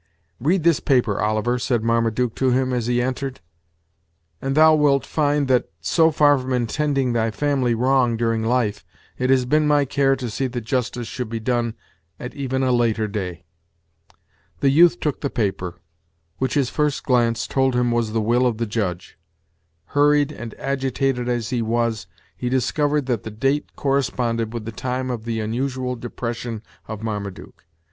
"Read this paper, Oliver," said Marmaduke to him, as he entered, "and thou wilt find that, so far from intending thy family wrong during life, it has been my care to see that justice should be done at even a later day." The youth took the paper, which his first glance told him was the will of the Judge. Hurried and agitated as he was, he discovered that the date corresponded with the time of the unusual depression of Marmaduke.